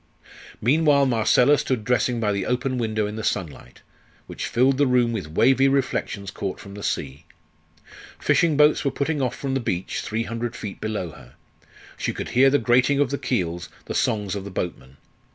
Meanwhile Marcella stood dressing by the open window in the sunlight, which filled the room with wavy reflections caught from the sea. Fishing boats were putting off from the beach, three hundred feet below her; she could hear the grating of the keels, the songs of the boatmen.